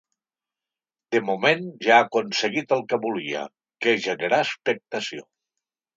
De moment ja ha aconseguit el que volia, que és generar expectació.